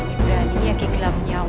ibu berani ya ki gelap nyawang